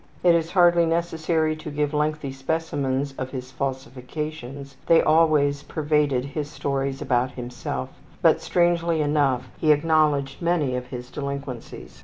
It is hardly necessary to give lengthy specimens of his falsifications; they always pervaded his stories about himself, but strangely enough he acknowledged many of his delinquencies.